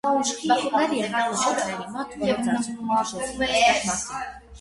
Բախումներ եղան մզկիթների մոտ, որոնց արդյունքում տուժեցին տասնյակ մարդիկ։